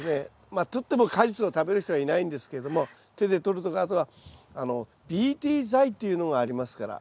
まあ捕っても果実を食べる人はいないんですけども手で捕るとかあとはＢＴ剤っていうのがありますから。